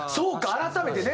改めてね。